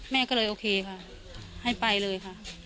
แม่ก็เลยโอเคค่ะให้ไปเลยค่ะ